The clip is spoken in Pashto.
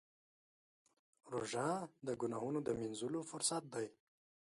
روژه د ګناهونو د مینځلو فرصت دی.